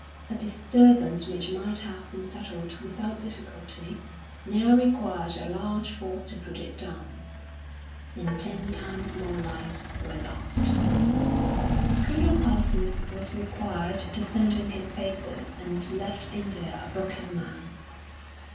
A disturbance which might have been settled without difficulty now required a large force to put it down, and ten times more lives were lost. Colonel Parsons was required to send in his papers, and left India a broken man....